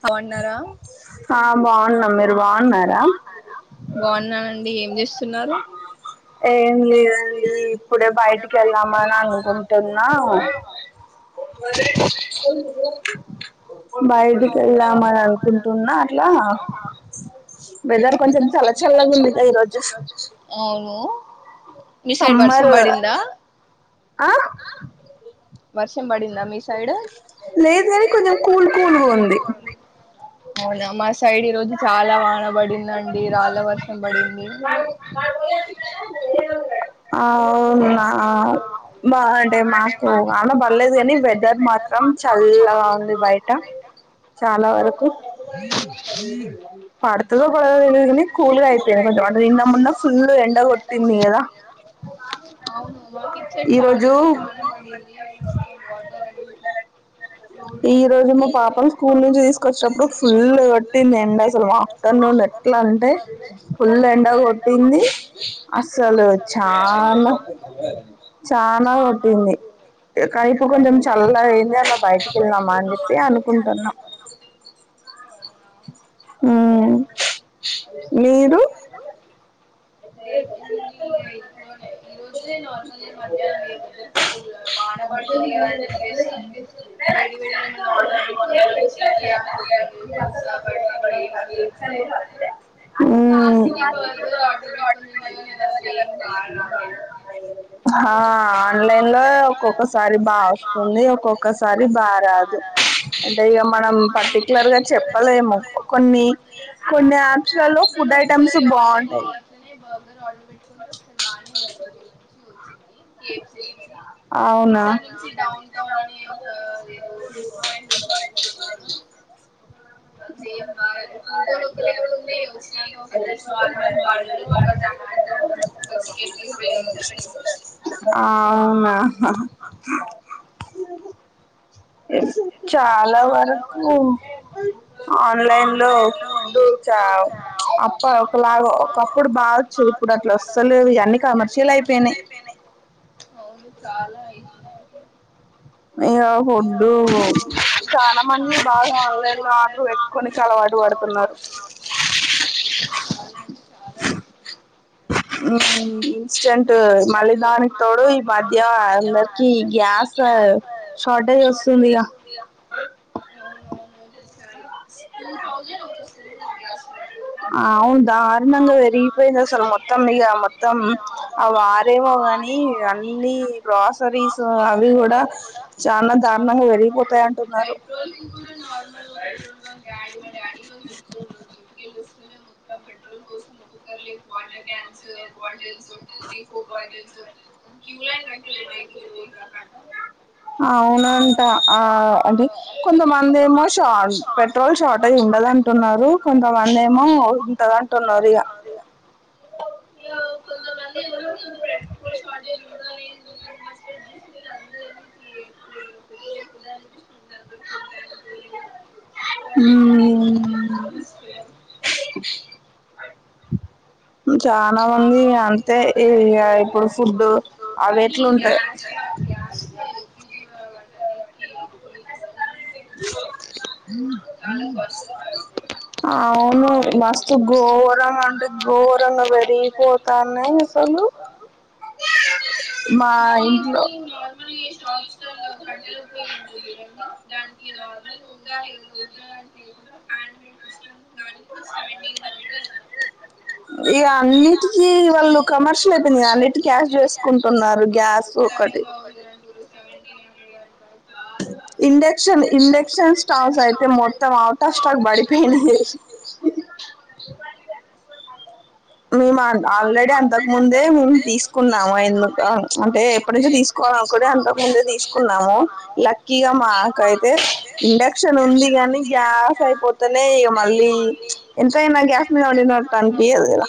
బావున్నారా బావున్నాం మీరు బావున్నారా ఏం లేదండి ఇప్పుడే బయటికి యెళ్ళామని అనుకుంటున్నా బాయ వెళ్దామని అనుకుంటున్నా అట్లా వెదర్ కొంచెం చల్ల చల్లగ ఉందిద ఈరోజు సమ్మర్ వర్షం బడిందా సైడు అవునా మా సైడ్ ఈ రోజు చాలా వాన బడిందండి రాళ్ళ వర్షం బడింది ఆ అవునా బా అంటే మాకు అన పర్లేదు కాని వెదర్ మాత్రం చల్లగా ఉంది బయట చాలా వరకు అవును మాకు ఇచ్చే చాలా చాల పడింది ఇ వాటర్ అ రోలుు మొత్తం నో మా పాపం పూము చేసుకొచ్చటప్పుడు ఫుల్ అంటే నండ ను ఎట్లా అంటే ఫుల్ ఎండ కొట్టింది అసలు చానా చానా కొట్టింది కానీపు కొంచెం చల్ల అయింది అలా బయట కెళ్ళామా అని చెప్పి అనుకుంటున్నం మ్ మీరు ఈ రోజె నార్మల్లీ మధ్యాహనం బ వేడి వేడిట మ్ హా ఆన్లైన్ లో ఒక్కొక్కసారి బా వస్తుంది ఒక్కొక్కసారి బా రాదు అంటే ఇక మనం పర్టికులర్గా చెప్పలేము కొన్ని కొన్ని యాప్స్ లల్లొ ఫుడ్ ఐటమ్స్ బాగుంటాయి అ ఆళ్ళు గుడ్ మార్నింగ్ ఈసారి నుంచి [unintelligible] న్ ఒక రెెట్ ను తే ఫ చాలా వరకు ఆన్లైన్ లో ఫుడ్డు చ అప్ప ఒకలాగ ఒకప్పుడు బాగాొచ్చుది ఇప్పుడు అట్లా వస్తలే ఇ అన్నిీ కమర్షియల్ అయిపోయినాయి అవును చాలా అయితు ఏ హొడ్డు చానా మంది బాగా ఆన్లైన్ లో ఆర్డర్ పెట్టుకోనికె అలవాటు పడుతున్నారు ఇన్స్టెంట్ మళ్ళీ దానికి తోడు ఈ మధ్య అందరికి గ్యాస్ షార్టేజ్ వస్తుంది ఇగా అవునవును టూ తౌసండ్ ఒక సిలిండర్ గ్యాస్ సిలిండర్ మొత్తం ఆ వారేమో గాని అన్ని గ్రాసరీస్ అవి కూడా చాలా దారుణంగా పెరిగిపోతాయి అంటున్నారు డాడీ మా డాడీ చెప్తుండు [unintelligible] మొత్తం పెట్రోల్ కోసం కుక్కర్ లెస్ వాటర్ అవునంట ఆ అంటే కొంతమంది ఏమో షార్ పెట్రోల్ షార్టజ్ ఉండదంటున్నారు కొంతమంది ఏమో ఉంటదంటున్నారు ఇక తప్పదిగా ఇక కొంతమంది ఎవరో [inaudible] [inaudible] [inaudible] కానీ గ్యాస్ గ్యాస్ కే అవును మస్తు గోరంగా అంటే గోరంగా పెడు జరిగిపోతాన్నాయి అసలు మా ఇంట్లో నార్మల్ గా ఉండాలి [unintelligible] ఇగా అన్నిటికీ వాళ్ళు కమర్షియల్ అయిపోయింది కదా అన్నిటి గ్యాస్ చేసుకుంటున్నారు గ్యాస్ ఒకటి ఇండక్షన్ ఇండక్షన్ స్టవ్స్ అయితే మొత్తం అవుట్ ఆఫ్ స్టాక్ పడిపోయింది మేము ఆల్రెడీ అంతకుముందే మేము తీసుకున్నాము ఎందు అంటే ఎప్పటి నుంచో తీసుకోవాల అనుకుంటే అంతకుముందే తీసుకున్నాము లక్కీగా మాకైతే ఇండక్షన్ ఉంది గాని గ్యాస్ అయిపోతేనే ఇక మళ్ళీ ఎంతైనా గ్యాస్ మీద వండినట్టు అనిపియ్యదు కదా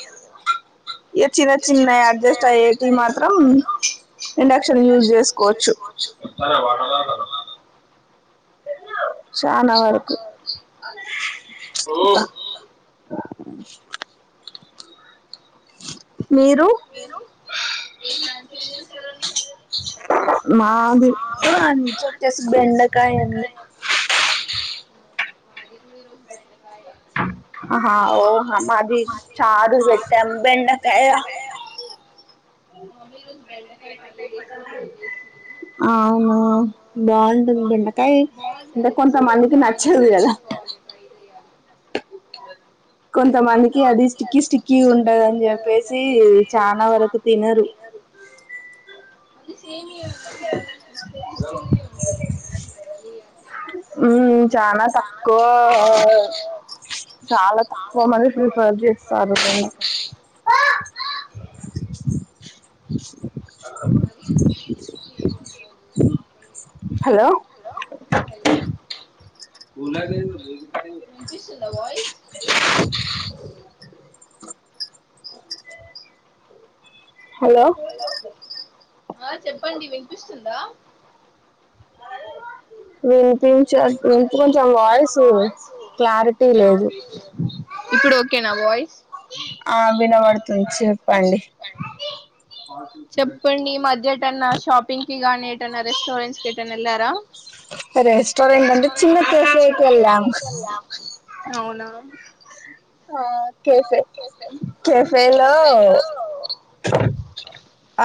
ఇయ చిన్న చిన్న అడ్జస్ట్ అయ్యేటి మాత్రం ఇండక్షన్ యూస్ చేసుకోవచ్చు చానా వరకు ప్చ్ అబ్బా ఆ మీరు మీ ఇంట్లో ఏం చేశారండి మాది ఈరోజు బెండకాయ ఆహా ఓహ మాది చారు పెట్టాం బెండకాయ మమ్మీ రోజు బెండకాయ పల్లి వేసి ఫ్రై చేసింది బాగుంది రెసిపీ ఒకసారి కనుక్కొని చేసుకోవాలి కొంత మందికి అది స్టికి స్టికి ఉంటదిని చెప్పేసి అది వచ్చేసి చానా వరకు తినరు అది సేమ్ నార్మల్ ఫెసిలిటీస్ ఉంటది ఆ చానా తక్కువ చాలా తక్కువ మంది ప్రిఫర్ చేస్తారు [unintelligible] హలో ఉలగి [unintelligible] ఇపిస్ంద వయిస్ అ హలో హలో ఆ చెప్పండి వెంకుష్ దా వి ఇంక కొంచెం వాయిస్ క్లారిటీ లేదు ఆ వినబడుతుంది చెప్పండి చెప్పల్ మధ్య ఏటన్నాషపింగ్కిగానీ ఏటన్నా రెస్టోారంట్స్ గేటన్ ఎలారా చిన్న అవునా ఆ కఫే కెఫేలో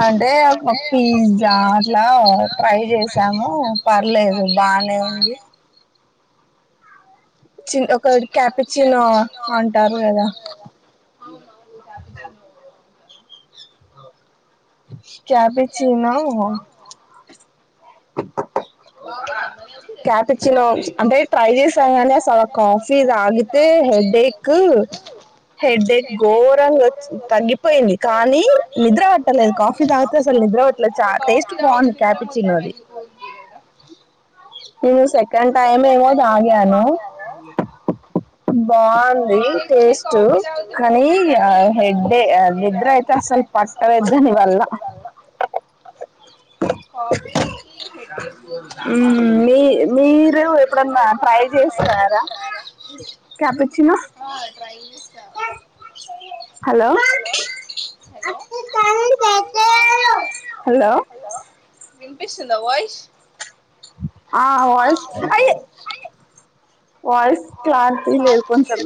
అంటే ఒక పిజ్జా అట్లా ట్రై చేసాము పర్లేదు బానే ఉంది చింటారువుంట అఓ క్యాపి చనా బాగుకచ్చ [unintelligible] అంటే ట్రై చేసా కానీ అసలు కాఫీ తాగితే హెడ్క్ హెడ్కోర తగ్గిపోయింది, కానీ నిద్ర [inaudible] నేను సెకండ్ టైమ్ ఏమో తాగాను, బాగుంది టేస్ట్ కానీ ఆ హెడ్డే నిద్ర అయితే అసలు పట్టవద్దని వల్ల మీ మీరు ఎప్పుడన్నా ట్రై చేస్తారా కపుచ్చినా హలో హలో వినిపిస్తుందా వాయిస్ ఆ వాయిస్ అ వాయిస్ క్లారిటీ లేదు కొంచం,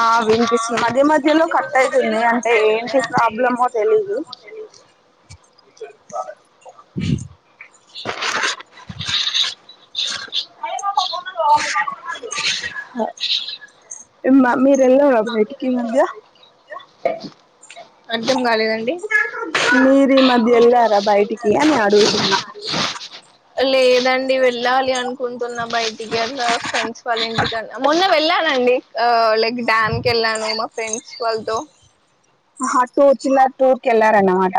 ఆ వినిపిస్తుంది మధ్య మధ్యలో కట్ అవుతుంది అంటే ఏంటి ప్రాబ్లమో తెలీదు మమీ రెల భయిటికి మద్య అ అర్థం కాలదండి లేదండి వెళ్ళాలి అనుకుం టున్న బయటికి అలా ఫ్రెండ్స్ వాళ్ళ ఇంటికి మొన్న వెళ్ళానండి ఆ లైక్ డ్యామ్ కెళ్ళాను మా ఫ్రెండ్స్ వాళ్ళతో ఆ టూర్ జిల్ టూర్ కెళ్లారన్నమాట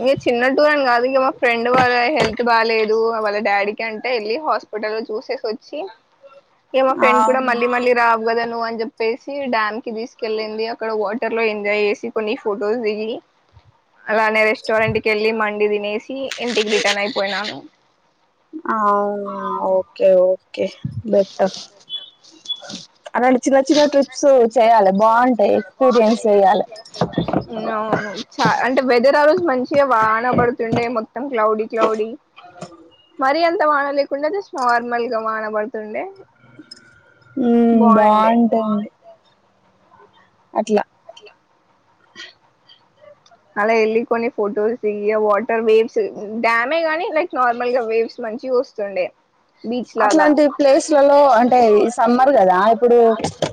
ఇగా చిన్న టూర్ అని కాదు ఇంక మా ఫ్రెండ్ వాళ్ళ హెల్త్ బాలేదు వాళ్ళ డాడీ కి అంటే వెళ్ళి హాస్పిటల్ చూసేసి వచ్చి ఇగా మా ఫ్రెండ్ కూడా మళ్ళి మళ్ళి రా కదా నువ్ అని చెప్పేసి డ్యామ్ కి తీసుకెళ్ళింది అక్కడ వాటర్ లో ఎంజాయ్ చేసుకొని ఫొటోలు దిగి అలానే రెస్టారెంట్ కి వెళ్ళి మండి తినేసి ఇంటికి రిటర్న్ అయిపోయాను. ఓకే బెటర్ అలాంటి చిన్న చిన్న ట్రిప్స్ చేయాలి అవును చ అంటే వెదర్ ఆ రోజు మంచి చే కుండా నార్మల్ గా వానబడుతుండే ఉ బాగుంటాయిడి అట్లా అట్లా అలా ఏళ్ళి కొన్ని ఫోటోస్ దిగి వాటర్ వేవ్స్ డ్యామ్ ఏ కానీ నార్మల్ గా వేవ్స్ మంచిగా వస్తు చండే బీచ్ లాగా అట్లాంటి ప్లేస్లలో అంటే సమ్మర్ కదా ఇప్పుడు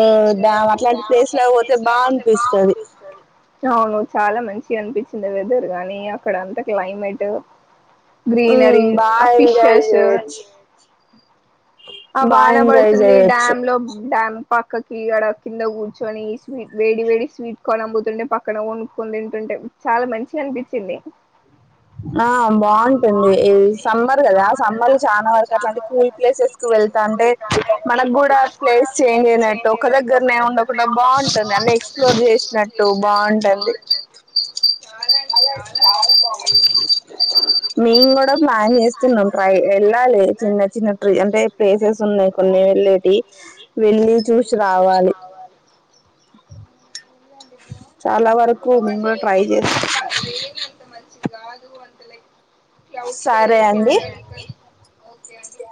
బీచ్మ్ అట్లాంటి ప్లేస్ పోతే బాగా అనిపిస్తది అవును చాలా మంచిగా అనిపించింది వెదర్ గానీ అక్కడ అంతా క్లైమేట్ గ్రీనరి ఆ ఫిషస్ ఆ వాన పడుతుంది డ్యామ్ లో డ్యామ్ పక్కకి అడా కింద కూర్చొని స్వీట్ వేడి వేడి స్వీట్ కార్న్ అమ్ముతుంటే పక్కన కోనుక్కోని తింటుంటే చాలా మంచిగా అనిపించింది. ఆ బాగుంటుంది ఇది సమ్మర్ కదా ఆ సమ్మర్ ల చాలా వరకు అట్లాంటి కూల్ ప్లేసెస్ వెళ్తా అంటే మనకు కూడా ప్లేస్ చేంజ్ అయినట్టు ఒక దగ్గరనే ఉండకుండా బాగుంటది అన్ని ఎక్స్ప్లోర్ చేసినట్టు బాగుంటుంది మేం గూడా ప్లాన్ చేస్తున్నాం ట్రై ఎల్లాలి చిన్న చిన్న ట్రయిల్ అంటే ప్లేసెస్ ఉన్నాయి కొన్ని వెళ్ళేటి వెళ్ళి చూసి రావాలి చాలా వరకు మేము కూడా ట్రై చేస్తాం కాదు అంటలే [unintelligible] ఓకే అండి